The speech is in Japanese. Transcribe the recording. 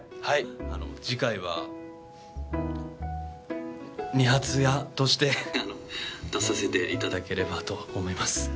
はいあの次回は二発屋として出させていただければと思います